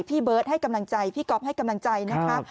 พี่เบิร์ตให้กำลังใจพี่ก๊อฟให้กำลังใจนะคะ